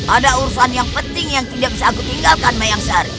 ada urusan yang penting yang tidak bisa aku tinggalkan mayang sehari